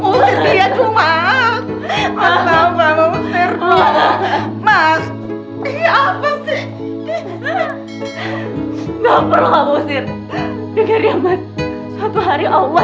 kusir lihat tuh mas mas bambang kusir mas ini apa sih gak perlu kusir denger ya mas suatu hari allah